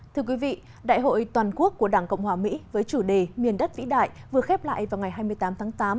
thưa quý vị đại hội toàn quốc của đảng cộng hòa mỹ với chủ đề miền đất vĩ đại vừa khép lại vào ngày hai mươi tám tháng tám